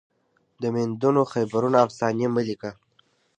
د میوندونو خیبرونو افسانې مه لیکه